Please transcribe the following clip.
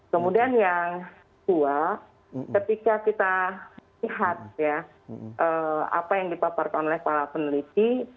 kemudian yang kedua ketika kita lihat ya apa yang dipaparkan oleh para peneliti